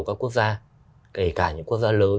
các quốc gia kể cả những quốc gia lớn